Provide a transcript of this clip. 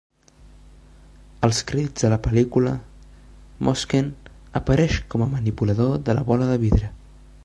Als crèdits de la pel·lícula, Moschen apareix com a manipulador de la bola de vidre.